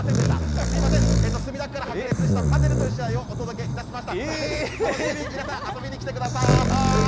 すみません、墨田区から白熱したパデルという試合をお届けしました。